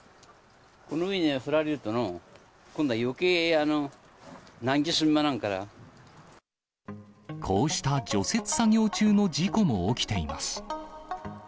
この上に降られるとのぉ、今度はよけい、こうした除雪作業中の事故も起きています。